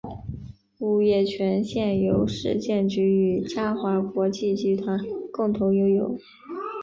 物业权现由市建局与嘉华国际集团共同拥有。